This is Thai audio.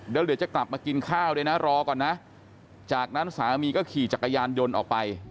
เดี๋ยวจะกลับมากินข้าวด้วยนะรอก่อนนะจากนั้นสามีก็ขี่จักรยานยนต์ออกไป